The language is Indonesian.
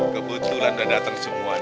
kebetulan udah dateng semua nih